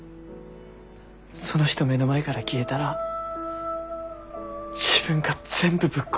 その人目の前から消えたら自分が全部ぶっ壊れる。